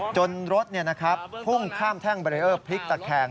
จนรถพุ่งข้ามแท่งเบรีเออร์พลิกตะแคง